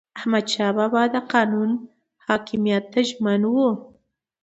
احمدشاه بابا د قانون حاکمیت ته ژمن و.